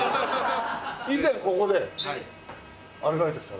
以前ここでアルバイトしてた。